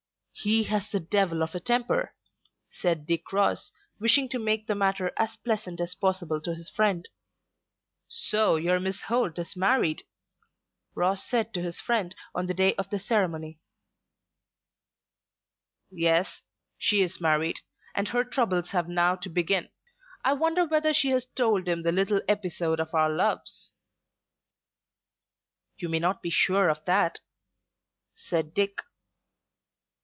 "He has the devil of a temper," said Dick Ross, wishing to make the matter as pleasant as possible to his friend. "So your Miss Holt is married," Ross said to his friend on the day after the ceremony. "Yes; she is married, and her troubles have now to begin. I wonder whether she has told him the little episode of our loves." "You may be sure of that," said Dick.